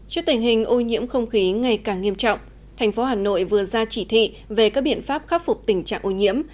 trước tình hình ô nhiễm không khí ngày càng nghiêm trọng thành phố hà nội vừa ra chỉ thị về các biện pháp khắc phục tình trạng ô nhiễm